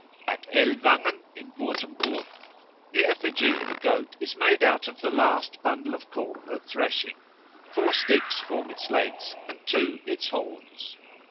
At Ellwangen, in Würtemburg, the effigy of a goat is made out of the last bundle of corn at threshing; four sticks form its legs, and two its horns.